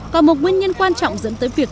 còn một nguyên nhân quan trọng dẫn tới việc